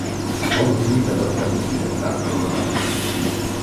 Fou un lluitador per les llibertats de tota mena.